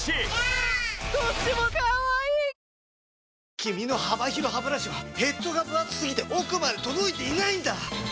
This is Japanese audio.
君の幅広ハブラシはヘッドがぶ厚すぎて奥まで届いていないんだ！